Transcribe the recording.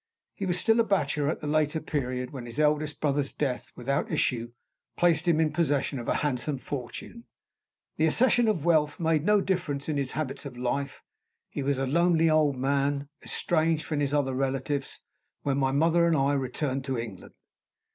He was still a bachelor at the later period when his eldest brother's death without issue placed him in possession of a handsome fortune. The accession of wealth made no difference in his habits of life: he was a lonely old man, estranged from his other relatives, when my mother and I returned to England.